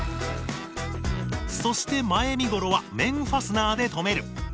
そして前身ごろは面ファスナーで留める。